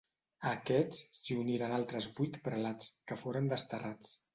A aquests si uniren altres vuit prelats, que foren desterrats.